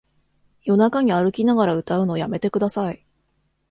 夜中に歩きながら歌うのやめてください